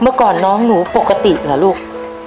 เมื่อก่อนน้องหนูปกติเหรอลูก